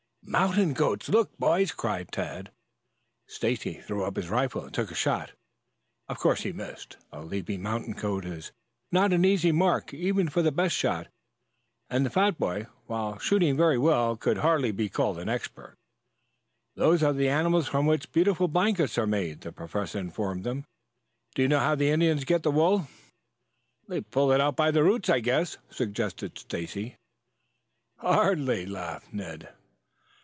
"Mountain goats? Look, boys!" cried Tad. Stacy threw up his rifle and took a shot. Of course he missed. A leaping mountain goat is not an easy mark even for the best shot, and the fat boy, while shooting very well, could hardly be called an expert. "Those are the animals from which the beautiful blankets are made," the Professor informed them. "Do you know how the Indians get the wool?" "They pull it out by the roots, I guess," suggested Stacy. "Hardly," laughed Ned.